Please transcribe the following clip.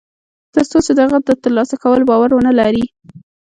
تر څو چې د هغه د تر لاسه کولو باور و نهلري